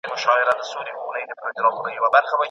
سياسي قدرت بايد د خلګو د ګټو لپاره وکارول سي.